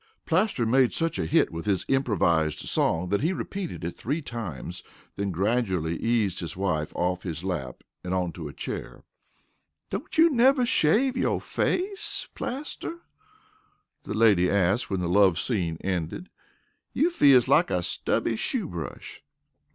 Plaster made such a hit with his improvised song that he repeated it three times, then gradually eased his wife off his lap and onto a chair. "Don't you never shave yo' face, Plaster?" the lady asked when the love scene ended. "You feels like a stubby shoe brush."